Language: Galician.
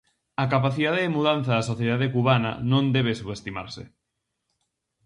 A capacidade de mudanza da sociedade cubana non debe subestimarse.